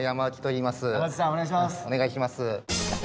お願いします。